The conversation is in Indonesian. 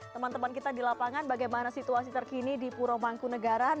teman teman kita di lapangan bagaimana situasi terkini di puro mangkunagaran